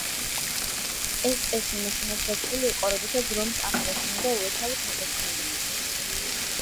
ეს წესი მაშინაც დაცული იყო, როდესაც რომს აღარ ეშინოდა უეცარი თავდასხმების.